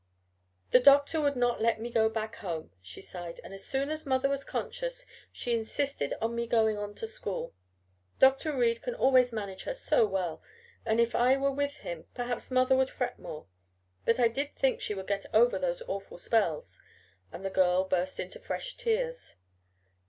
"The doctor would not let me go back home," she sighed, "and as soon as mother was conscious she insisted on me going on to school. Dr. Reed can always manage her so well, and if I were with him perhaps mother would fret more. But I did think she would get over those awful spells " and the girl burst into fresh tears.